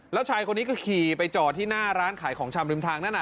แล้วชายคนนี้ก็ขี่ไปจอดที่หน้าร้านขายของชำริมทางนั่น